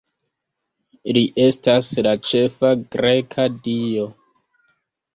Li estas la ĉefa greka dio.